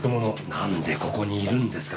何でここにいるんですか？